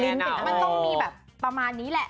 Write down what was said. มันต้องมีแบบประมาณนี้แหละ